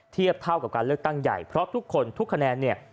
เทียบเท่ากับการเลือกตั้งใหญ่เพราะทุกคนทุกคะแนนเนี่ย